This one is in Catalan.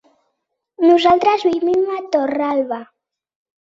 Nosaltres vivim a Torralba.